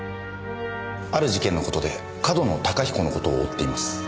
ある事件の事で上遠野隆彦の事を追っています。